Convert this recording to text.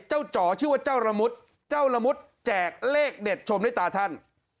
จ๋อชื่อว่าเจ้าละมุดเจ้าละมุดแจกเลขเด็ดชมด้วยตาท่าน